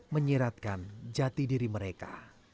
menyiratkan jati diri mereka